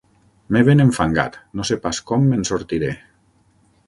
M'he ben enfangat; no sé pas com me'n sortiré.